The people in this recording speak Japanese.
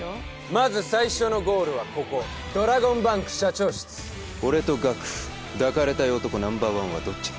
まず最初のゴールはここドラゴンバンク社長室俺とガク抱かれたい男Ｎｏ．１はどっちだ？